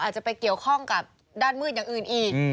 อาจจะไปเกี่ยวข้องกับด้านมืดอย่างอื่นอีก